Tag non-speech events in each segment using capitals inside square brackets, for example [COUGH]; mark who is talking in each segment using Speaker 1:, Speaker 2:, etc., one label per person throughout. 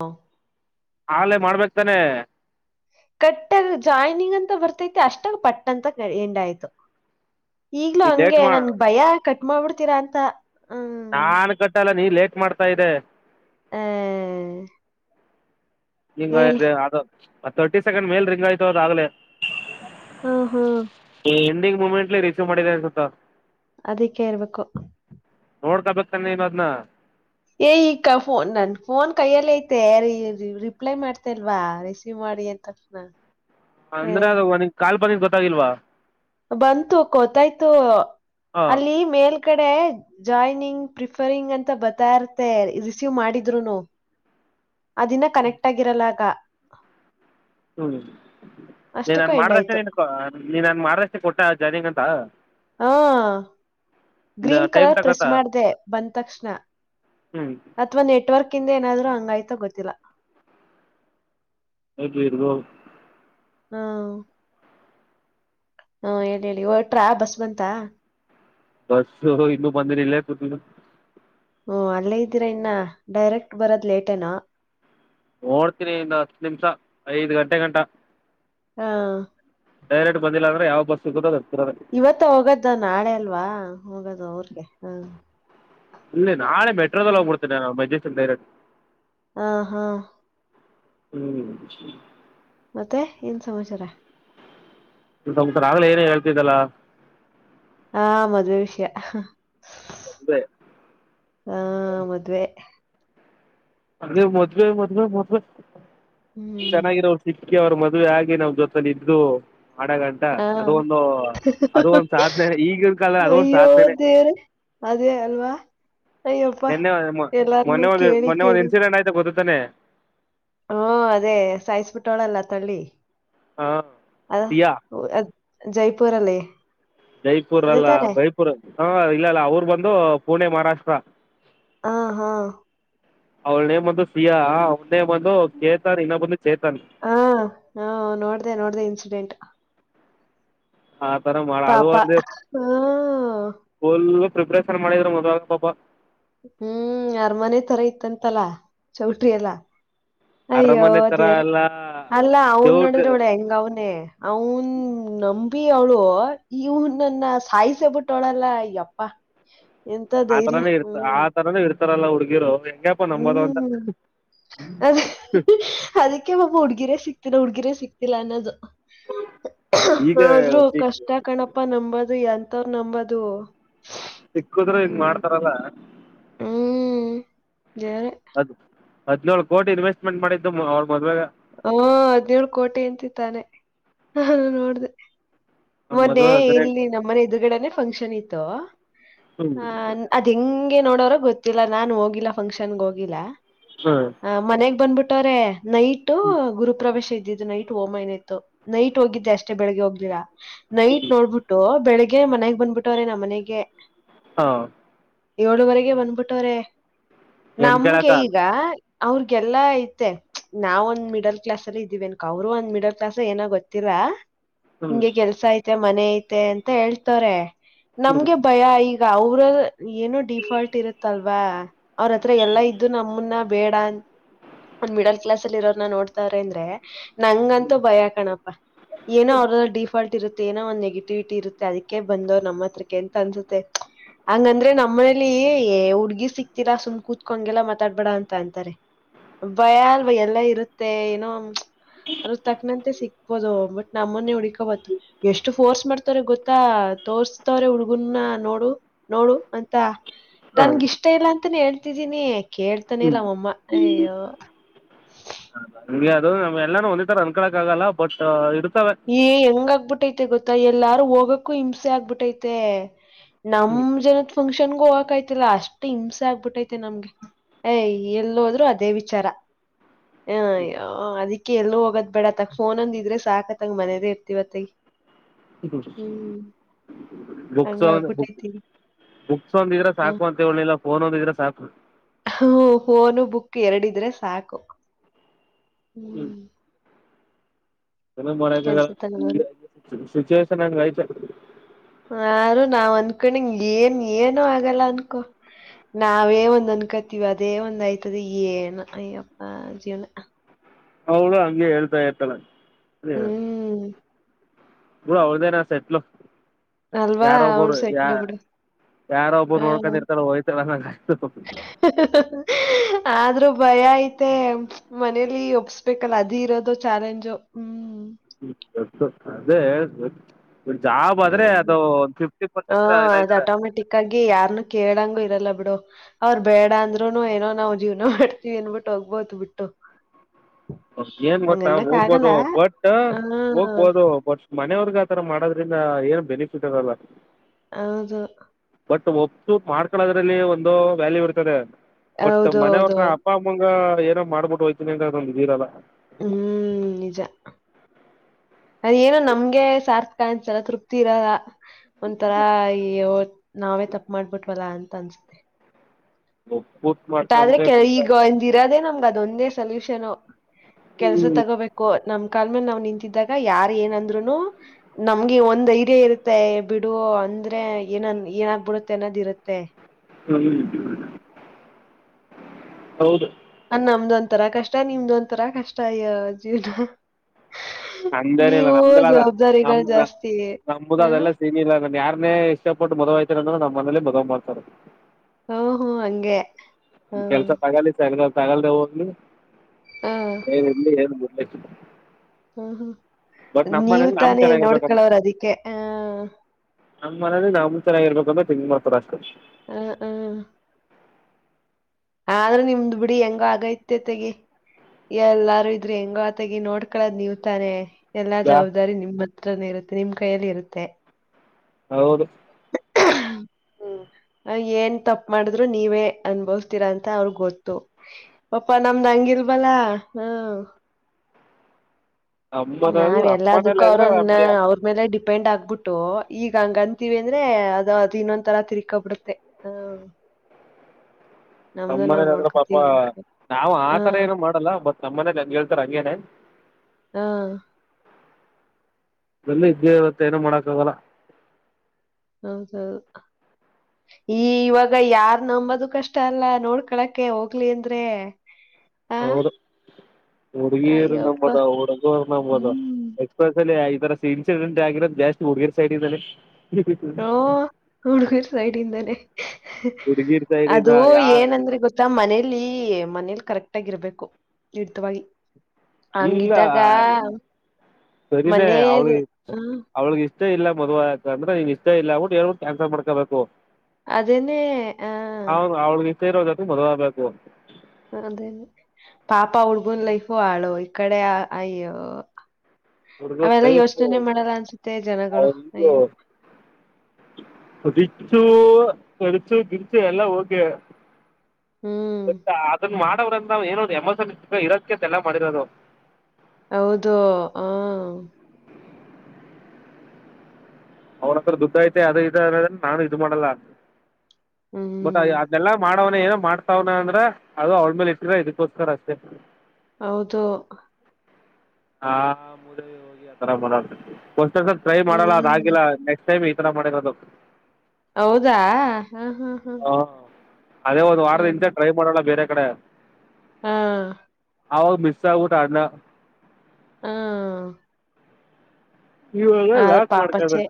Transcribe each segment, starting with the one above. Speaker 1: Hello
Speaker 2: ಆಲೇ ಮಾಡ್ಬೇಕ್ ತಾನೆ
Speaker 1: ಕಟ್ಟಾಗ ಜಾಯ್ನಿಂಗ್ ಅಂತ ಬರ್ತೈತಿ ಅಷ್ಟಾಗ ಪಟ್ಂತ ಎಂಡಾಯ್ತು ಈಗ್ಲೂ
Speaker 2: ಈಗ ಲೇಟ್
Speaker 1: ಹಂಗೆ
Speaker 2: ಮಾಡಿ
Speaker 1: ನನ್ ಭಯ ಕಟ್ ಮಾಡ್ಬಿಡ್ತೀರಾ ಅಂತ ಹ್ಮ್
Speaker 2: ನಾನ್ ಕಟ್ಟಲ್ಲ ನೀ ಲೇಟ್ ಮಾಡ್ತಾ ಇದೆ
Speaker 1: ಹ್ಮ್ [UNINTELLIGIBLE]
Speaker 2: ಹಿಂಗದೆ ಅದು ತರ್ಟಿ ಸೆಕೆಂಡ್ ಮೇಲ್ ರಿಂಗಾಯಯ್ತ ಅದ್ ಆಗ್ಲೆ
Speaker 1: ಹಾ ಹಾ
Speaker 2: ಎಂಡಿಂಗ್ ಮೂಮೆಂಟ್ಲಿ ರಿಸಿವ ಮಾಡಿದೆ ಅನುಸುತ್ತ
Speaker 1: ಅದಕ್ಕೆ ಇರಬೇಕು
Speaker 2: ನೋಡ್ಕಬೇಕತಾನೆ ನೀ ಅದ್ನಾ
Speaker 1: ಏ ಈ ಫೋನ್ ನನ್ ಫೋನ್ ಕೈಯಲ್ಲಿ ಐತೆ ರಿಪ್ಲೈ ಮಾಡ್ತೆಲ್ವಾ ರಿಸೀವ್ ಮಾಡ ಮಾಡಿಯ ತಕ್ಷಣ ಏ
Speaker 2: ಅಂದ್ರೆ ಅದು ಒನ್ ಕಾಲ್ ಪಂದಿ ಗೊತ್ತಾಗಿಲ್ವಾ
Speaker 1: ಬಂತು ಗೊತ್ತಾಯ್ತು
Speaker 2: ಹಾಂ
Speaker 1: ಅಲ್ಲಿ ಮೇಲ್ ಕಡೆ ಜಾಯ್ನಿಂಗ್ ಪ್ರಿಫರಿಂಗ್ ಅಂತ ಬತಾ ಇರ್ತೆ ರಿಸೀವ್ ಮಾಡಿದ್ರುನು ಅದನ್ನ ಕನೆಕ್ಟ್ ಆಗಿರಲಾಗ
Speaker 2: ಹ್ಮ್ ನೀನ್ನ್
Speaker 1: ಎಂಡ್
Speaker 2: ಮಾಡ್ದಷ್ಟೆ
Speaker 1: ಆಯ್ತು
Speaker 2: ನೀನ್ ನೀನ್ ಮಾಡ್ರಷ್ಟೆ ಕೊಟ್ಟ ಜರ್ನಿಂಗ ಅಂತ
Speaker 1: ಹಾ
Speaker 2: ಇಲ್ಲ
Speaker 1: ಗ್ರೀನ್
Speaker 2: ಟೈಮ್
Speaker 1: ಕಲರ್ ಪ್ರೆಸ್
Speaker 2: ತಗತ್ತಾ
Speaker 1: ಮಾಡ್ದ ಬಂದ ತಕ್ಷಣ
Speaker 2: ಹ್ಞೂ
Speaker 1: ಅಥವಾ ನೆಟ್ವರ್ಕ್ ಇಿಂದ ಏನಾದ್ರೂ ಹಂಗಾಯ್ತ ಗೊತ್ತಿಲ್ಲ
Speaker 2: ಎ ಜಿರ್ಬೋ
Speaker 1: ಹಾ ಹಾ ಹೇಳಿ ಹೇಳಿ ಒ ಟ್ರಾ ಬಸ್ ಬಂತ
Speaker 2: ಬಸ್ಸು ಇನ್ನುೂ ಬಂದನ ಇಲ್ಲೇ ಇ
Speaker 1: ಹ್ಮ ಅಲ್ಲೇ ಇದೀರಾ ಇನ್ನ ಡೈರೆಕ್ಟ್ ಬರೋದ್ ಲೇಟೇನೊ
Speaker 2: ನೋಡ್ತೀನಿ ಇಂದು ಹತ್ತ ನಿಮಿಷ ಐದ್ ಗಂಟೆ ಗಂಟ
Speaker 1: ಹಾ
Speaker 2: ಡೈರೆಕ್ಟ್ ಬಂದಿಲ್ಲಂದ್ರೆ ಯಾವ ಬಸ್ ಸಿಗುತ್ತದದು
Speaker 1: ಇವತ್ತ ಹೋಗದ ನಾಳೆ ಅಲ್ವಾ ಹೋಗದು ಅವ್ರಗೆ ಹಾ
Speaker 2: ಇಲ್ಲಿ ನಾಳೆ ಮೆಟ್ರೋದಲ್ಲಿ ಹೋಗ್ಬಿಡ್ತೇನೆ ನ ಮಜೇಶ್ನ್ ಡೈರೆಟ್
Speaker 1: ಹಾ ಹಾ
Speaker 2: ಹ್ಮ್
Speaker 1: ಮತ್ತೆ ಏನ್ ಸಮಾಚಾರ
Speaker 2: ಆಗ್ಲೇ ಏನ ಹೇಳ್ತಿದ್ದಲ್ಲ
Speaker 1: ಹಾ ಮದುವೆ ವಿಷಯ ಹಾ
Speaker 2: ಅದೇ
Speaker 1: ಮದುವೆ
Speaker 2: ಅದ ಮದ್ವೆ ಮದ್ವೆ ಮದ್ವೆ
Speaker 1: ಹ್ಮ್
Speaker 2: ಚೆನ್ನಾಗಿರೋ ಔಷಿ ಅಕ್ಕಿ ಅವ್ರ ಮದುವೆ ಆಗೆ ನಾವ್ ಜೊತಲಿ ಇದ್ದು ಮಾಡಗಂಟ
Speaker 1: ಹಾ
Speaker 2: ಅದು ಒಂದು ಅದು ಒಂದ ಸಾಧನೆ ಈಗಿಿನ ಕಾಲ ಅದೊಂದ
Speaker 1: ಅಯ್ಯೋ
Speaker 2: ಸಾಧನೆನೇ
Speaker 1: ದೇವ್ರೆ ಅದೇ ಅಲ್ವಾ ಅಯ್ಯಪ್ಪ
Speaker 2: ನಿನ್ನೆ
Speaker 1: ಎಲ್ಲಾರ್ನು
Speaker 2: ಮೊನ್ನೆ ಒಂದು
Speaker 1: ಕೇಳಿ
Speaker 2: ಮೊನ್ನೆ ಒಂದ್
Speaker 1: ಕೇಳಿ
Speaker 2: ಇನ್ಸಿಡೆಂಟ್ ಆಯ್ತಾ ಗೊತ್ತತಾನೆ
Speaker 1: ಹ್ಮ ಅದೇ ಸಾಯಸ್ಬಿಟ್ಟೋಳಲ್ಲ ತಳ್ಳಿ
Speaker 2: ಹಾ
Speaker 1: ಅದ
Speaker 2: ಸಿಯಾ
Speaker 1: ಜೈಪುರ ಅಲ್ಲಿ
Speaker 2: ಜೈಪುರ್ ಅಲ್ಲ ಜೈಪುರ್ ಹ ಇಲ್ಲಲ್ಲ ಅವ್ರ ಬಂದು ಪುಣೆ ಮಹಾರಾಷ್ಟ್ರ
Speaker 1: ಹಾ ಹಾ
Speaker 2: ಅವಳ ನೇಮ್ ಅಂತ ಸಿಯಾ ಇನ್ನೆ ಬಂದು ಚೇತನ್ ಇನ್ನ ಬಂದು ಚೇತನ್
Speaker 1: ಹ ಹ ನೋಡ್ದೆ ನೋಡ್ದೆ ಇನ್ಸಿಡೆಂಟ್
Speaker 2: ಆ ತರ ಮಾಡ ಅದು
Speaker 1: ಪಾಪ
Speaker 2: ಅದೇ
Speaker 1: ಹ್ಮ್
Speaker 2: ಫುಲ್ ಪ್ರಿಪರೇಷನ್ ಮಾಡಿದ್ರ ಮದ್ುವಾಗ ಪಾಬ
Speaker 1: ಹ್ಮ್ ಅರಮನೆ ತರ ಇತ್ತಂತಲ್ಲಾ ಚೌಟ್ರಿ ಎಲ್ಲಾ
Speaker 2: ಅರಮನೆ ತರ ಎಲ್ಲಾ
Speaker 1: ಅಲ್ಲ ಅವನ್ ನೋಡಿದ್ರೆ ಒೋಡ ಹೆಂಗ ಅವನೇ ಅವನ್ ನಮ ಬಿೀ ಅವಳು ಇವು ನನ್ನ ಸಾಯಿಸೇ ಬಿಟ್ಟವಳಲ್ಲ ಅಯ್ಯಪ್ಪ ಎಂತ
Speaker 2: ಆ
Speaker 1: ಧೈರ್ಯ
Speaker 2: ಥರನೇ ಇರ್ತ ಆ ತರಾನ ಇಡ್ತಾರಲ್ಲ ಹುಡ್ಗಿರು
Speaker 1: ಹ್ಮ್ ಹ್ಮ್ ಅದ ಅದಕ್ಕೆ ಒಬ ಹುಡ್ಗಿರ ಸಿಗ್ತಿಲ್ಲಾ ಹುಡ್ಗಿರ ಸಿಕ್ತಿಲ್ಲಾ ಅನ್ನೋದು
Speaker 2: ಈಗ
Speaker 1: ಆದ್ರೂ
Speaker 2: ಸಿಕ್
Speaker 1: ಕಷ್ಟ ಕಣಪ್ಪಾ ನಂಬದು ಎಂತವ್ರ ನಂಬದು
Speaker 2: ಸಿಕ್ಕುದ್ರೆ ಹಿಂಗ್ ಮಾಡ್ತಾರಲ್ಲ
Speaker 1: ಹ್ಮ್ ದೇವ್ರೆ
Speaker 2: ಅದು ಹದಿನೇಳು ಕೋಟ ಇವೆಸ್ಟ್ಮೆಂ ಮಾಡಿದ್ದು ಮದುವೆಗ
Speaker 1: ಹಓ ಹದ್ಿನೇಳು ಕೋಟಿ ಅಂತಿ ತಾನೆ ಹ ನೋಡ್ದ
Speaker 2: ಅವ್ರ
Speaker 1: ಮೊನ್ನೆ
Speaker 2: ಮದುವೆ ಹದಿನೆಂಟು
Speaker 1: ಇಲ್ಲಿ ನಮ್ಮನೆ ಎದುರುಗಡನೆ ಫಂಕ್ಷನ್ ಇತ್ತು ಹ
Speaker 2: ಹ್ಞೂ
Speaker 1: ಅದ್ ಹೆಂಗೆ ನೋಡೋರ ಗೊತ್ತಿಲ್ಲ ನಾನು ಹೋಗಿಲ್ಲ ಫಂಕ್ಷನ್ಗೆ ಹೋಗಿಲ್ಲ ಹ ಮನೆಗ್ ಬಂದ್ಬಿಟ್ಟವ್ರೆ ನೈಟ್ು ಗುರುಪ್ರವೇಶ ು ನೈಟ್ ಒಮ ಏನ ಇತ್ತು ನೈಟ್ ಹೋಗಿದ್ದೆ ಅಷ್ಟೇ ಬೆಳಗ್ ಹೋಗ್ದಿರಾ ನೈಟ್
Speaker 2: ಹ್ಞೂ
Speaker 1: ನೋಡ್ಬಿಟ್ಟು ಬೆಳಿಗ್ಗೆ ಮನೆಯಾಗ ಬಂದ್ಬಿಟ್ಟ್ರೆ ನಮ್ಮ ಮನೆಗೆ
Speaker 2: ಹಾ
Speaker 1: ಏಳುವರೆಗೆ ಬಂದ್ಬಿಟ್ಟವ್ರೆ
Speaker 2: ಹೆಣ್ಣು ಕೇಳಾಕ
Speaker 1: ನಮ್ಗೆ ಈಗ ಅವ್ರಗೆಲ್ಲಾ ಐತೆ ನಾವಂದು ಮಿಡಲ್ ಕ್ಲಾಸ್ ಅಲ್ಲಿ ಇದನ್ ಅವರು ಒಂದ ಮಿಡಲ್ ಕ್ಲಸ್ ಏನೋ ಗೊತ್ತಿಲ್ಲಾ
Speaker 2: ಹ್ಞೂ
Speaker 1: ಹಿಂಗೆ ಕೆಲ್ಸ ಐ ಮನ ಐತೆ ಅಂತ ಹೇಳ್ತಾರೆ
Speaker 2: ಹ್ಞೂ
Speaker 1: ನಮ್ಗೆ ಭಯ ಈ ಈಗ ಅವ್ರ ಏನು ಡಿಫಾಲ್ಟ್ ಇರತ್ತಲ್ವಾ ಅವ್ರತ್ರ ಎಲ್ಲಾ ಇದ್ದು ನಮಮ್ಮನ್ನ ಬೇಡ ಅ ಒಂದ್ ಮಿಡ ಕ್ಲಾಸ್ ಅಲ್ಲಿ ಇರೋ ನೋಡ್ತಾರ್ರ ಅಂದ್ರೆ ನಂಗಂತೂ ಭಯ ಕಣಪ ಏನೋ ಅವ್ರ ಡಿಫಾಲ್ಟ್ ಇರುತ್ತ ಏನೋ ಒಂದ್ ನೆಗೆಟಿವಿಟಿ ಇರುತ್ತೆ ಅದಕ್ಕೆ ಬಂದವ್ ನಮ್ಮ ಹತ್ರಕ್ಕೆ ಎಂತ ಅನ್ಸುತ್ತೆ ಹಂಗಂದ್ರೆ ನಮ್ಮನೇಲಿ ಹುಡ್ಗಿ ಸಿಕ್ತೀರಾ ಸುಮ್ ಕ ಕುತ್ಕೊಂಡಗೆಲ್ಲ ಮಾತಾಡ್ಬೇಡ ಅಂತ ಅಂತಾರೆ ಭಯಲ್ವ ಎಲ್ಲ ಇರುತ್ತೆ ಏನೋ ಅ್ರದ ತಕ್ಕನಂತೆ ಸಿಕ್ಬೋದು ಬಟ್ ನಮ್ಮೊನ್ನೆ ಹುಡಕೊಬತ್ತ ಎಷ್ಟು ಫೋರ್ಸ್ ಮಾಡ್ತಾರ ಗೊತ್ತಾ ತೋರ್ಸ್ತವ್ರೆ ಹುಡ್ಗುನ ನೋಡು ನೋಡು ಅಂತ
Speaker 2: ಹಾಂ
Speaker 1: ನನ್ಗ ಇಷ್ಟ ಇಲ್ಲ ಅಂತಾನೇ ಹೇಳ್ತಿದೀನಿ ಕೇಳ್ತಾನೆ
Speaker 2: ಹ್ಞೂ
Speaker 1: ಇಲ್ಲ ಅವಮ್ಮ ಅಯ್ಯೋ
Speaker 2: ಹಂಗೆ ಅದು ನಮ್ ಎಲ್ಲಾನು ಹೊಂದಿತಾರ ಅಂದ್ಕಳಕ್ ಆಗಲ್ಲ ಬಟ್ ಇ
Speaker 1: ಏ ಹೆಂಗ ಆಗ್ಬಿಟ್ಟೈತೆ ಗೊತ್ತಾ ಎಲ್ಲಾರು ಹೋಗಕ್ಕು ಹಿಂಸೆ ಆಗ್ಬಿಟ್ಟೈತೆ ನಮ್
Speaker 2: ಹ್ಞೂ
Speaker 1: ಜನತ್ ಶಿಕ್ಷನ್ಗ ಹಕೈತಿಲ್ಲ ಅಷ್ಟು ಹಿಂಸೆ ಆಗ್ಬಿಟ್ಟೈತೆ ನಮ್ಗೆ ಏ ಎಲ್ಲಿ ಹೋದ್ರು ಅದೇ ವಿಚಾರ ಹ ಅದಕ್ಕೆ ಎಲ್ಲೋ ಹೋಗದ್ ಬೇಡ ತಕ್ಕ ಫೋನ್ ಅಂದ ಇದ್ರೆ ಸಾಕತ್ತ ತಂಗ ಮನೆದೇ ಇರ್ತಿವತ್ತೈ
Speaker 2: ಬುಕ್
Speaker 1: ಹಂಗ
Speaker 2: ಚ ಬು
Speaker 1: ಆಗ್ಬಿಟ್ಟೈತಿ
Speaker 2: ಬುಕ್ಸ್ ಒಂದಿದ್ರೆ ಸಾಕು ಅಂತ ಹೇಳಲಿಲ್ಲ ಫೋನ್ ಒಂದಿದ್ರೆ ಸಾಕು
Speaker 1: ಹ್ಮ ಫೋನು ಬುಕ್ ಎರಡಿದ್ರೆ ಸಾಕು ಹ್ಮ್
Speaker 2: ಮ
Speaker 1: ಕೆಲ್ಸತನ
Speaker 2: ಈ
Speaker 1: ಬರು
Speaker 2: ಸಚುವಷನ್ ಕ
Speaker 1: ಹಾರು ನಾವ್ ಅಂದಕೊಂಡಿಂಗ ಏನ್ ಏನು ಆಗಲ್ಲ ಅನ್ಕೊ ನಾವೇ ಒಂದ್ ಅನ್ಕತೀವಿ ಅದೇ ಒಂದ್ ಆಯ್ತದೆ ಏನ್ ಅಯ್ಯಪ್ಪ ಜೀವನ
Speaker 2: ಅವಳ ಹಂಗೆ ಹೇಳ್ತಾ ಹೇಳ್ತಳರಿ
Speaker 1: ಹ್ಮ್
Speaker 2: ಹಊ ಅವೌದ ನ ಸ ಎಟ್ಲು
Speaker 1: ಅಲ್ವಾ ಅವ ಒಳ ಸೈಟಲ್ ಇಡ
Speaker 2: ಯಾರೊಬ್ಬರು
Speaker 1: ಹಾ
Speaker 2: ನೋಡ್ಕೊಂಡಿರ್ತಾರ ಹೋಯ್ತಾಳ ನಂಗ ಆಯ್ತು
Speaker 1: ಆದ್ರೂ ಭಯ ಐತೆ ಮನಲಿ ಒಬ್ಸ್ಬೇಕಲ್ಲ ಅದ ಇರೋದು ಚಾಲೆಂಜು ಹ್ಮ್
Speaker 2: ಹ್ಮ ಅದೇ ಹೇಳ
Speaker 1: ಹ್ಮ್ ಹ
Speaker 2: ಪರ್ಸೆಂಟ್
Speaker 1: ಅದ್
Speaker 2: ಇದಾಯ್ತದೆ
Speaker 1: ಆಟೋಮ್ಯಾಟಿಕ್ ಆಗಿ ಯಾರನ್ನು ಕೇಳಂಗೂ ಇರಲ್ಲ ಬಿಡು ಅವ್ರ್ ಬೇಡ ಅಂದ್ರುನು ಏನೋ ನಾವ್ ಜೀವನ ಮಾಡ್ತೀವಿನ್ಬಿಟ್ಟು ಹೋಗ್ಬೋತ್ ಬಿಟ್ಟು
Speaker 2: ಏನ್ ಗೊತ್ತ
Speaker 1: ಹಂಗನ್ನಕ್ ಆಗಲ್ಲ
Speaker 2: ಹೋಗ್ಬೋದು ಬಟ್
Speaker 1: ಹಾ ಹೌದು.
Speaker 2: ಹೋಗ್ಬೋದು ಬಟ್ ಮನೆಯವರ್ಗ ತರ ಮಾಡೋದ್ರಿಂದ ಏನು ಬೆನಿಫಿಟ್ ಇರಲ್ಲ
Speaker 1: ಹೌದು
Speaker 2: ಬಟ್ ಒಪ್ು ಮಾಡ್ಕೊಳ್ಳೋದ್ರಲ್ಲಿ ಒಂದು ವ್ಯಾಲ್ಯೂ ಇರ್ತದೆ ಬಟ್
Speaker 1: ಹೌದು ಹೌದು
Speaker 2: ಮನೆಯವ್ರನ್ನ ಅಪ್ಪ ಅಮ್ಮಂಗ ಏನೋ ಮಾಡ್ಬಿಟ್ಟು ಹೋ್ತೀನಿ ಅಂತ ಅೊಂದು ವೀರಲ್ಲ
Speaker 1: ಹ್ಮ್ ಅದ ಏನ ನಮ್ಗೆ ಸಾರ್ಥ ಂದಸಲ ತೃಪ್ತಿ ಇರಲ್ಲ ಒಂಂತರಾ ನಾವೇ ತಪ್ಪ ಮಾಡ್ಬಿಟ್ವಲ್ಲಾ ಅಂತ ಅನ್ಸ
Speaker 2: ಹ
Speaker 1: ಬಟ್ ಆದ್ರೆ ಕೆ ಈಗ ಎಂದ ಇರೋದೇನ ಹ ಅದೊಂದೇ ಸಲ್ಯೂಷನ್ ಕೆಲ್ಸ ತಗೋಬೇಕು. ನಮ್ ಕಾಲ್ ಮೇಲೆ ನಾವ್ ನಿಂತಿದ್ದಾಗ ಯಾರ್ ಏನಂದ್ರುನು ನಮ್ಗೆ ಒಂದ್ ಐರ್ಯ ಇರುತ್ತೆ ಬಿಡು ಅಂದ್ರೆ ಏನನ್ ಏನಾಗ್ಬಿಡುತ್ತೆ ಅನ್ನೋದ್ ಇರುತ್ತೆ
Speaker 2: ಹ್ಮ ಹೌದು
Speaker 1: ಅ ನಮ್ದ ಒಂಂತರಾ ಕಷ್ಟ ನಿಮ್ದ ಒಂ ತರಾ ಕಷ್ಟ ಅಯ್ಯ ಜೀವನ.
Speaker 2: ನಂದರಿಲ್ಲ ನಮ್ದಲ್ಲ ನಮದಾ
Speaker 1: ಜಾಸ್ತಿ
Speaker 2: ನಮ್ದ
Speaker 1: ಹ
Speaker 2: ಅದೆಲ್ಲ ಸೀನಿಲ್ಲ ನನ್ ಯಾರ್ನೇ ಇಷ್ಟ ಪಟ್ಟು ಮದಗ್ಯ್ತಾರೆ ಅಂದ್ರೆ ನಮ್ಮ ಮನೇಲಿ ಮದಗ್ ಮಾಡ್ತಾರ.
Speaker 1: ಹ್ಮ ಹ್ಮ್ ಹಂಗೆ. ಹ್ಮ
Speaker 2: ಕೆಲ್ಸ ತಗಲಿ ಸ ತಗಲ್ ಹೋಗ್ಲಿ
Speaker 1: ಹ
Speaker 2: ಇ ಹೇಳ್ಬ.
Speaker 1: ಹ್ಮ್ ಹ್ಮ್
Speaker 2: ಬಟ್ ನಮ್ಮ
Speaker 1: ನೀವು
Speaker 2: ಮನೇಲಿ ನಮ್ಮ
Speaker 1: ತಾನೇ
Speaker 2: ಚೆನ್ನಾಗಿರ್ಬೇಕಮ್ಮ
Speaker 1: ನೋಡ್ಕಳವ್ರ ಅದಕ್ಕೆ ಹ.
Speaker 2: ನಂಗ್ನೇ ನ್ ತರ ಇರ್ಬೇಕಂದ್ರೆ ತಿಂಗ್ ಮಾಡ್ತಾರೆ ಅಷ್ಟ.
Speaker 1: ಹ ಹಾ್ ಆದ್ರೆ ನಿಮ್ದ್ ಬಿಡಿ ಹೆಂಗ ಆಗೈತೆ ತಗಿ. ಎಲ್ಲಾರೂ ಇದ್ರರು ಹೆಂಗೋ ಆತಗಿ ನೋಡ್ಕಳದ್ ನೀವ ತಾನೆ. ಎಲ್ಲಾ
Speaker 2: ಯಾ
Speaker 1: ಜವಾಬ್ದಾರಿ ನಿಮ್ಮ್ ಹತ್ರನೇ ಇರುತ್ತೆ ನಿಮ್ ಕೈಯಲ್ಲಿ ಇರುತ್ತೆ.
Speaker 2: ಹೌದು
Speaker 1: ಹ್ಮ್ ಏನ್ ತಪ್ಪು ಮಾಡಿದ್ರು ನೀವೇ ಅನ್ಭವಸ್ತೀರಾ ಅಂತ ಅವ್ರಗ್ ಗೊತ್ತು ಪಾಪ ನಮ ನಂಗಿಿಲ್ಲ ಭಲ ಹಾ.
Speaker 2: ಹ
Speaker 1: ನಾವ್ ಎಲ್ಲದಕ್ಕೂ
Speaker 2: ಆದ್ರೆ
Speaker 1: ಅವ್ರನ್ನ
Speaker 2: ನಮಗೆ
Speaker 1: ಅವ್ರ ಮೇಲೆ. ಡಿಪೆಂಡ್ ಆಗ್ಬಿಟ್ಟು ಈಗ ಹಂಗಂತೀವಿ ಅಂದ್ರೆ ಅದ ಅದು್ ಇನ್ನೊಂದ ತರ ತಿರ್ಕೊ ಬಿಿಡುತ್ತೆ
Speaker 2: ನಮ್ಮನೇ ಅಂದ್ರ ಪಾಪ
Speaker 1: ನೋಡ್ಕೋತೀವಿ
Speaker 2: ನಾ್
Speaker 1: ಹ
Speaker 2: ಆತರ ಏನು ಮಾಡಲ್ಲ ಬತ್ ನಮ್ಮನೇ ನನ್ ಹೇಳ್. ಂಗನೆ
Speaker 1: ಹಾ
Speaker 2: ಎಲ್ಲ ಇದೇ ಇವತ್ತ ಏನೋ ಮಾಡಕ್ದಲ್ಲ.
Speaker 1: ಹೌದೌ ಈ ಇವಾಗ ಯಾರ್ ನಂಬದು ಕಷ್ಟ ಅಲ್ಲ ನೋಡ್ಕಳಕೆ ಹೋಗ್ಲಿ ಅಂದ್ರೆ ಹ
Speaker 2: ಹೌದು ಉಡುಗಿಯರು
Speaker 1: ಅಯ್ಯಪ್ಪ
Speaker 2: ನಮ್ಮದ ಉಡಂಗೂರ್ ನಮ್ಮದ
Speaker 1: ಹ್ಮ್
Speaker 2: ಎಕ್ಸ್ಪ್ರೆಸ್ ಅಲ್ಲಿ ಆಯತ. ಈರ ಸ ಸಿ ಇನ್ಸ ಇಡೆಂಟ್ ಆಗಿರೋದು ಜಾಸ್ತಿ ಹುಡುಗರ್ ಸೈಡ್ ಇಂದನೇ.
Speaker 1: ಹೋ ಹಡುಗರು ಸೈಡಿಂದಾನೆ
Speaker 2: ಹುಡುಗಿರ್ ಸೈಡ್ ಇಂದ
Speaker 1: ಅದು
Speaker 2: ಯಾ
Speaker 1: ಏನಂದ್ರೆ ಗೊತ್ತಾ ಮನೇಲಿ ಮನೇಲಿ ಕರೆಕ್ಟ್ ಟ್ಟಗಿರ್ಬೇಕು ನಿಡಿತವಾಗಿ.
Speaker 2: ಇಲ್ಲ ಸರಿನೇ
Speaker 1: ಮನೆ
Speaker 2: ಅವಳ
Speaker 1: ಹ್ಮ್
Speaker 2: ಅವಳಿಗೆಷ್ಟ. ಇಷ್ಟೇ ಇಲ್ಲ ಮದ್ ಆಯಕ ಅಂದ್ರೆ ನೀನ್ ಇಷ್ಟ ಇಲ್ಲ ಟ್ಟು ಹಳ್ಬು ಕ್ಯಾನ್ಸಲ್ ಮಾಡ್ಕೋಬೇಕು.
Speaker 1: ಅದನೇ ಆ.
Speaker 2: ಇರೋದದು ಮೊದಲ ಆಬೇಕು
Speaker 1: ಅದೇ ಪಾಪ ಹುಡುಗನ್ ಲೈಫ ಆಳು ಇಕ್ಕಡೆ ಅಯ್ಯೋ
Speaker 2: ಹುಡುಗರ್
Speaker 1: ಅವೆಲ್ಲ
Speaker 2: ಲೈಫ್
Speaker 1: ಯೋಚನೆನೇ ಮಾಡಲ್ಲ ಅನ್ಸುತ್ತೆ ಜನಗಳು ಅಯ್ಯ.
Speaker 2: [UNINTELLIGIBLE] [INAUDIBLE] ಖರ್ಚು ಗಿರ್ಚು ಎಲ್ಲ ಹೋಗಿ
Speaker 1: ಹ್ಮ್
Speaker 2: ಅದನ್ನ ಏನ ಎಮೋಸನ್ ಇರೋದಕ್ಕೆ ಎಲ್ಲ ಮಾಡಿರೋದು.
Speaker 1: ಹೌದು ಹ
Speaker 2: ಅವ್ರ ಹತ್ರ ದುಡ್್ದ ಐತೆ ಅದು ಇದ ಅದ್ರೆ ನಾನು ಇದು ಮಾಡಲ್ಲ ಆದ ಗೊತ್ತ
Speaker 1: ಹ್ಮ್
Speaker 2: ಅದೆಲ್ಲ ಮಾಡ ಏನೋ ಮಾಡ್ತಾವನ ಅಂದ್ರ ಅದು ಅವಳಳ್ ಮೇಲೆ ಇಟ್ಟರ ಇದಕ್ಕೋಸ್ಕರ ಅಷ್ಟೇ.
Speaker 1: ಹೌದು
Speaker 2: ಹಾ ಮು ಹೋಗಿ ಆತರ ಮಾಡ ಟ್ರೈ ಮಾಡಲ್ಲ
Speaker 1: ಹ್ಮ್
Speaker 2: ಅದಾಗಿಲ್ಲ ನೆಕ್ಸ್ಟ್ ೈಮಿ ಈ ತರ ಮಾಡಿರೋದು.
Speaker 1: ಹೌದಾ ಹಾ ಹಾ ಹಾ
Speaker 2: ಹಾಂ ಅದೇ ಹದ್ ವಾರದ ಇಂತ ಟ್ರೈ ಮಾಡಲ್ಲ ಬೇರೆ ಕಡೆ
Speaker 1: ಹಾ
Speaker 2: ಅವಾಗ ಮಿಸ್ಸ ಆಗ್ಬಿಟ್ಟ ಅಣ್ಣ.
Speaker 1: ಹಾ
Speaker 2: ಇವಾಗ ಲಾಕ್ ಮಾಡ್ತ್ದ
Speaker 1: ಪಾಪಚ್ಚೆ.
Speaker 2: ನಾನ್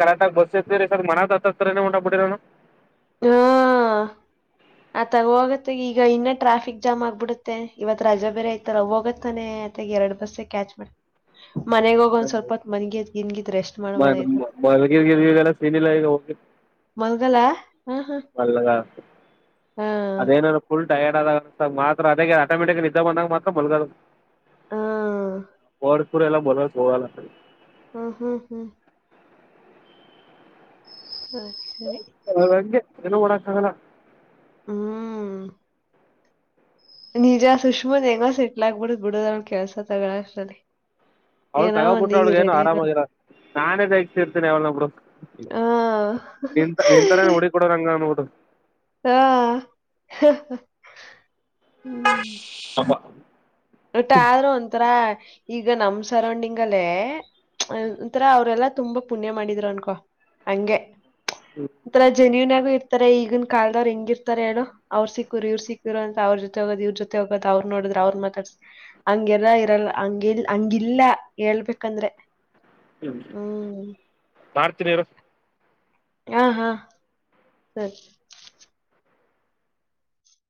Speaker 2: ಕರೆಕಟ್ಗ ಬಸ್ತಿ ರ ಮನದ ಹತ್ತರನ ಉಂಟಾಗ್ಬಿಡರಿನು.
Speaker 1: ಹಾ ಆ ತಗ ಹೋಗತ್ತ ಈಗ ಇನ್ನ ಟ್ರಾಫಿಕ್ ಜಾಮ್ ಆಗ್ಬಿಡುತ್ತೆ ಇವತ್ ರಜಾ ಬೇರೆ ಐತಲ್ಲ ಹೋಗತ್ತಾನೆ. ಆಯ್ ಎರಡ್ ಬಸ್ಸ ಕ್ಯಾಚ್ ಮಾಡ. ಗಿನ್ಗಿದ್ ರೆಸ್ಟ್
Speaker 2: [UNINTELLIGIBLE]
Speaker 1: ಮಾಡ್ಬೋದಾಗಿತ್ತು.
Speaker 2: ಮಲಗದಿಲ್ಲ ಸೀನ್ ಇಲ್ಲ
Speaker 1: ಮಲ್ಗಲ
Speaker 2: ನಲ್ಲ
Speaker 1: ಆ!
Speaker 2: ಅದೇನ ಫುಲ್ ಟಯರ್ ಮಾತ್ರ ಅದ ಆಟೋಮೆಟಿಕ್ ನಿದ್ದ ಬಂದಾಗ ಮಾತ್ರ ಮಲ್ಗದ.
Speaker 1: ಆ!
Speaker 2: ಪೂರಲ್ಲ ಬರ ಹರಲ್ಲರಿ. [UNINTELLIGIBLE]
Speaker 1: ಹ್ಮ್ ಹ್ಮ್ ಹ್ಮ್ ಹಾ ಸರಿ
Speaker 2: ಏನೋ ಮಾಡ್ಕಗಲ್ಲ
Speaker 1: ಹ್ಮ ನಿಜ ಸುಷ್ಮಾ ಹೆಂಗೋ ಸಿಟ್ಲ ಆಗ್ಬಿಡುದ್ ಬಿಡದ್ ಅವ್ ಕೆಲ್ಸ ತಗಳಸ್ಟ್ರಲ್ಲಿ.
Speaker 2: ಅವ್ಳಗ್ ತಗೋಬಿಟ್ರ ಅವಳಗೆನು ಆರಾಮಾಗಿರ ನಾನೇ ದೈಗ್ತಿ ಇರ್ತೇನಿ ಅವಲ್ ನಡು
Speaker 1: ಆ!
Speaker 2: ನಿ ನಿಂತರನ ಹುಡಿ ಕೊಡೋರಂಗಡು
Speaker 1: ಹಾ
Speaker 2: [UNINTELLIGIBLE]
Speaker 1: ಟ ಆದ್ರೂ ಒಂಥರಾ ಈಗ ನಮ ಸರೌಂಡಿಂಗ ಅಲ್ಲೇ ಒಂತರ ಅವ್ರೆಲ್ಲಾ ತುಂಬಾ ಪುಣ್ಯ ಮಾಡಿದ್ರು ಅನ್ಕೊ ಹಂಗೆ. ಒಂಥರ ಜೆನ್ಯೂನ್ ಆಗು ತರ ಈಗ ಕಾಲದವ್ ಹ ಹೆಂಗಿರ್ತಾರೆ ಹೇಳೋ ಅವರು ಸಿಕ್ಕುರುವರು ಸಿಕ್ಕುರು ಅಂತ ಅವ್ರೊತೆ ಹೋಗದ ಇವ್ರ ಜೊತೆ ಹೋಗೋ ನೋಡೋ. ಅವ್ರ ಮತಡ್ಸ್ ಬೇಕು ಹಂಗಗೆಲ್ಲ ಇರಲ್ಲ ಹಂಗಲ್ ಹಂಗಿಲ್ಲ ಹೇಳ್ಬೇಕಂದ್ರೆ.
Speaker 2: ಹ್ಮ
Speaker 1: ಹ್ಮ್
Speaker 2: ಮಾಡ್ತಿನಿರು
Speaker 1: ಹಾ ಹಾ ಸರಿ